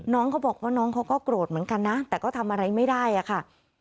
น้องเขาบอกว่าน้องเขาก็โกรธเหมือนกันนะแต่ก็ทำอะไรไม่ได้อะค่ะ